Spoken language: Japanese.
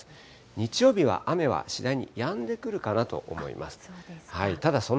日曜日は雨は次第にやんでくるかなと思います。